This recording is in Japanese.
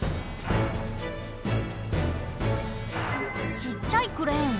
ちっちゃいクレーン？